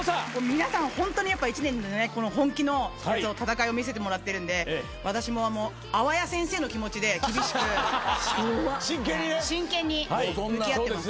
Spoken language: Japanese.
皆さんホントにやっぱ１年の本気の戦いを見せてもらってるんで私も淡谷先生の気持ちで厳しく真剣に向き合ってます。